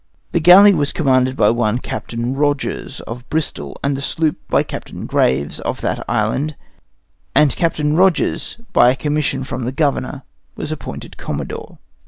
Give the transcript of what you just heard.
The galley was commanded by one Captain Rogers, of Bristol, and the sloop by Captain Graves, of that island, and Captain Rogers, by a commission from the governor, was appointed commodore.